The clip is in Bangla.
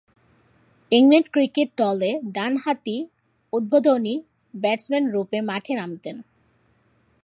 ইংল্যান্ড ক্রিকেট দলে ডানহাতি উদ্বোধনী ব্যাটসম্যানরূপে মাঠে নামতেন।